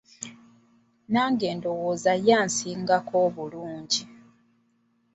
Nange ndowooza ye esingako obulungi.